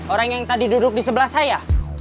orang yang tadi duduk di sebelah saya